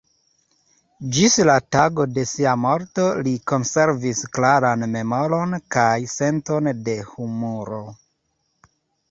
Ĝis la tago de sia morto li konservis klaran memoron kaj senton de humuro.